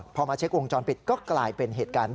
พอมาเช็ควงจรปิดก็กลายเป็นเหตุการณ์